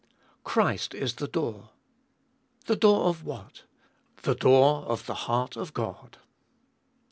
Christ is the door. The door of what? the door of the heart of God.